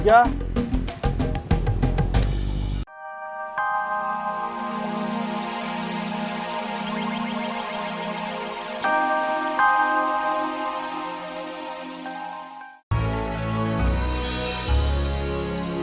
kita pulang dulu